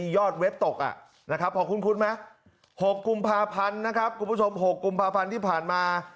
ยอดเว็บตกขอคุ้นไหม๖กลุ่มภาพันธ์ที่ผ่านมา